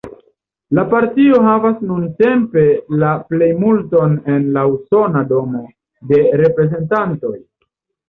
La partio havas nuntempe la plejmulton en la Usona Domo de Reprezentantoj.